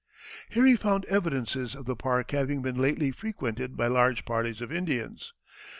Here he found evidences of the park having been lately frequented by large parties of Indians.